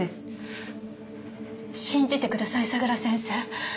信じてください相良先生。